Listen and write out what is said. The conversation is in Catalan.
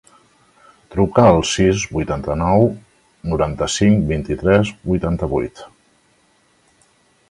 Truca al sis, vuitanta-nou, noranta-cinc, vint-i-tres, vuitanta-vuit.